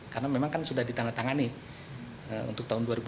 karena memang kan sudah ditandatangani untuk tahun dua ribu delapan belas ini